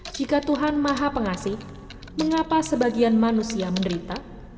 jika tuhan maha pengasih mengapa sebagian manusia menderita